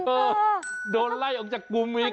เออโดนไล่ออกจากกลุ่มอีก